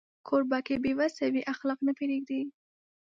کوربه که بې وسی وي، اخلاق نه پرېږدي.